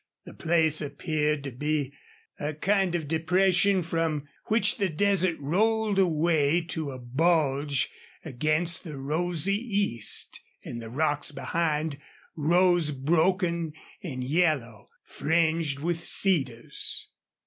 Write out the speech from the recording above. The place appeared to be a kind of depression from which the desert rolled away to a bulge against the rosy east, and the rocks behind rose broken and yellow, fringed with cedars.